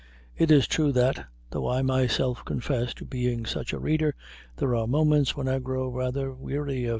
It is true that, though I myself confess to being such a reader, there are moments when I grow rather weary of M.